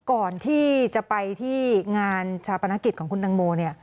ก่อนที่จะไปที่งานชาปนักศึกษ์ของคุณดังโม